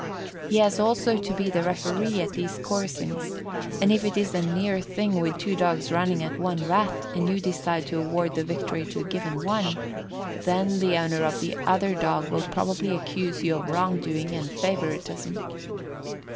He has also to be the referee at these coursings, and if it is a "near thing" with two dogs running at one rat, and you decide to award the victory to a given one, then the owner of the other dog will probably accuse you of wrong doing and favouritism.